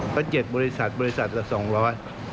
ก็๗บริษัทบริษัทละสองร้อย